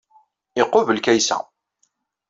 Iqubel Kaysa.